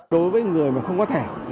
đối với người mà không có thẻ